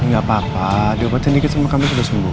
gapapa diobatin sedikit sama kamu sudah sembuh